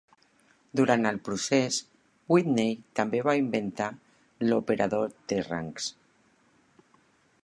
Durant el procés, Whitney també va inventar l'operador de rangs.